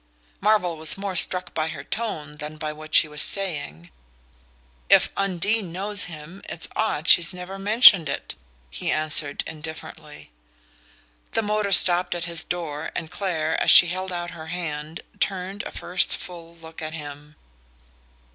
Marvell was more struck by her tone than by what she was saying. "If Undine knows him it's odd she's never mentioned it," he answered indifferently. The motor stopped at his door and Clare, as she held out her hand, turned a first full look on him.